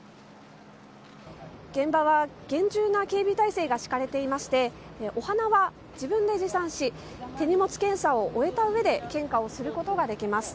現場は厳重な警備態勢が敷かれていましてお花は自分で持参し手荷物検査を終えたうえで献花をすることができます。